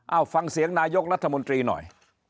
เอาฟังเสียงนายกรัฐมนตรีหน่อย